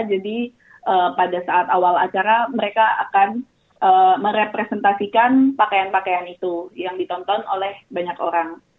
jadi pada saat awal acara mereka akan merepresentasikan pakaian pakaian itu yang ditonton oleh banyak orang